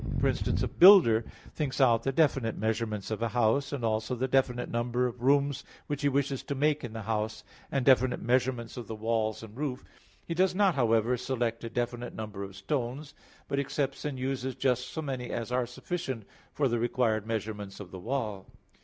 For instance, a builder thinks out the definite measurements of a house, and also the definite number of rooms which he wishes to make in the house; and definite measurements of the walls and roof; he does not, however, select a definite number of stones, but accepts and uses just so many as are sufficient for the required measurements of the wall.